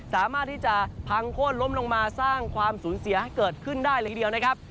สามารถที่จะพังโค้นล้มลงมาสร้างความสูญเสียให้เกิดขึ้นได้เลยทีเดียวนะครับ